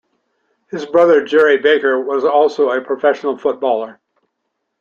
His brother Gerry Baker was also a professional footballer.